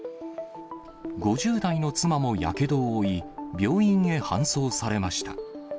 ５０代の妻もやけどを負い、病院へ搬送されました。